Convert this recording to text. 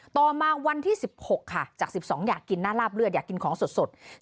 ต่อมาวันที่๑๖ค่ะจาก๑๒อยากกินหน้าลาบเลือดอยากกินของสด